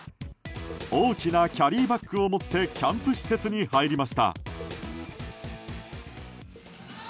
大きなキャリーバッグを持ってキャンプ施設に入りました。